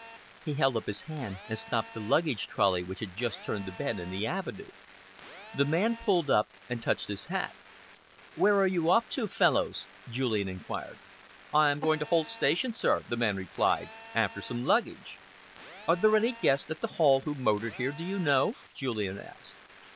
He held up his hand and stopped a luggage trolley which had just turned the bend in the avenue. The man pulled up and touched his hat. "Where are you off to, Fellowes?" Julian enquired. "I am going to Holt station, sir," the man replied, "after some luggage." "Are there any guests at the Hall who motored here, do you know?" Julian asked.